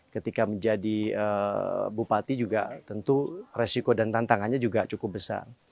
ketika menjadi bupati juga tentu resiko dan tantangannya juga cukup besar